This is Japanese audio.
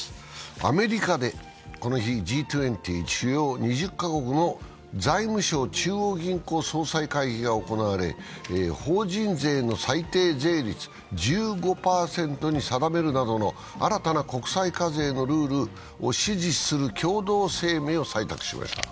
アメリカでこの日、Ｇ２０＝主要２０か国の財務相・中央銀行総裁会議が行われ法人税の最低税率を１５％に定めるなどの新たな国際課税のルールを支持する共同声明を採択しました。